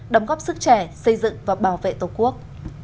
đóng góp sức trẻ xây dựng và bảo vệ tổ quốc